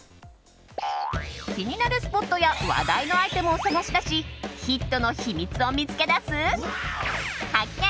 気になるスポットや話題のアイテムを探し出しヒットの秘密を見つけ出す発見！